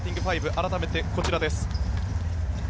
改めて、こちらです。